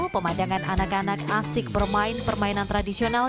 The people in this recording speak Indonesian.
pemandangan anak anak asik bermain permainan tradisional